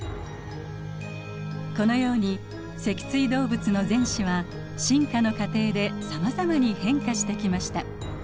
このように脊椎動物の前肢は進化の過程でさまざまに変化してきました。